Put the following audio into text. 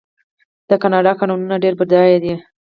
د کاناډا کانونه ډیر بډایه دي.